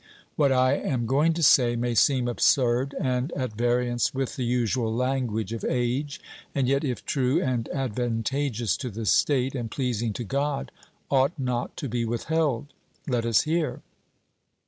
What I am going to say may seem absurd and at variance with the usual language of age, and yet if true and advantageous to the state, and pleasing to God, ought not to be withheld. 'Let us hear.'